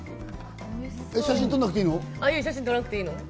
写真撮んなくていいの？